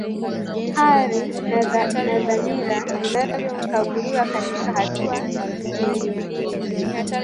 hali na dhamira zinavyokaguliwa katika hatua mbalimbali